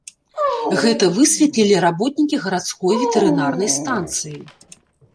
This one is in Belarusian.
Гэта высветлілі работнікі гарадской ветэрынарнай станцыі.